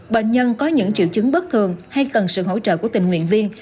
bệnh nhân có những triệu chứng bất thường hay cần sự hỗ trợ của tình nguyện viên